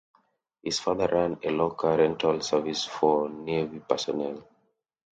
His father ran a locker-rental service for Navy personnel.